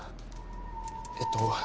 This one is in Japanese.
えっと。